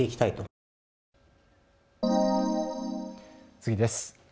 次です。